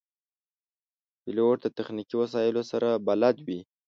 پیلوټ د تخنیکي وسایلو سره بلد وي.